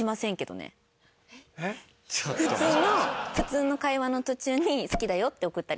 普通の普通の会話の途中に「好きだよ！！」って送ったりします。